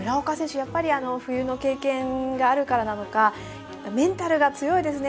やっぱり冬の経験があるからなのかメンタルが強いですね。